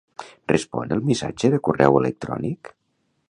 Respon el missatge de correu electrònic.